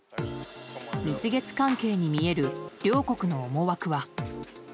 蜜月関係に見える両国の思惑は。